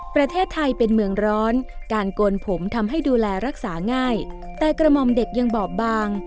ประเทศไทยเป็นเมืองร้อนการโกนผมทำให้ดูแลรักษาง่ายแต่กระหม่อมเด็กยังบอบบาง